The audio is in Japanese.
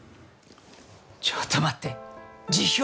ちょっと待って辞表！？